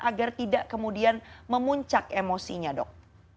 agar tidak kemudian memuncak emosinya dok